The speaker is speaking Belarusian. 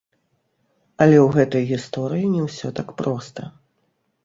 Але ў гэтай гісторыі не ўсё так проста.